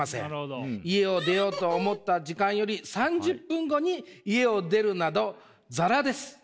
家を出ようと思った時間より３０分後に家を出るなどザラです。